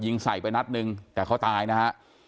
ยิงใส่ไปนัดนึงแต่เขาตายนะครับ